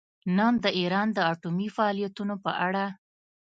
نن د ایران د اټومي فعالیتونو په اړه